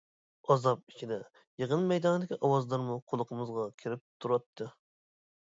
ئازاب ئىچىدە، يىغىن مەيدانىدىكى ئاۋازلارمۇ قۇلىقىمىزغا كىرىپ تۇراتتى.